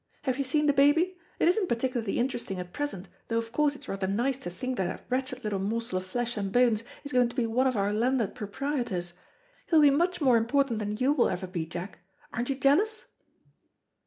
Have you seen the baby? It isn't particularly interesting at present, though of course it's rather nice to think that that wretched little morsel of flesh and bones is going to be one of our landed proprietors. He'll be much more important than you will ever be, Jack. Aren't you jealous?"